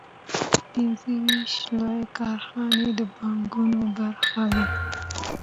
پنځه ویشت لویې کارخانې د بانکونو برخه وې